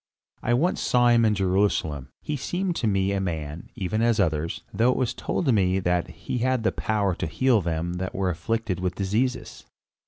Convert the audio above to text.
"I once saw him in Jerusalem. He seemed to me a man, even as others, though it was told me that he had the power to heal them that were afflicted with diseases."